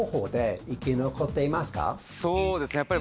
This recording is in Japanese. そうですね